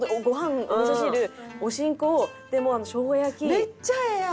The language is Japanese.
めっちゃええやん！